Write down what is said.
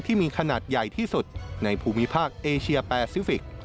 ที่มีขนาดใหญ่ที่สุดในภูมิภาคเอเชียแปซิฟิกส์